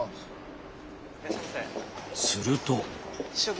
すると。